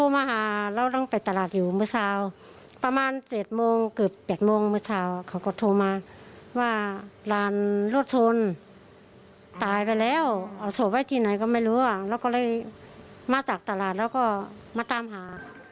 มาจากตลาดแล้วก็มาตามหา